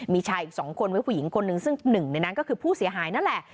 มีชายอีก๒คนเป็นผู้หญิงคนหนึ่งซึ่งหนึ่งในนั้นก็คือผู้เสียหายนั่นแหละ